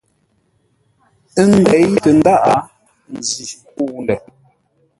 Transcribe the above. Ə́ ndéi tə ndáʼ, njî kə̂u ndə̂.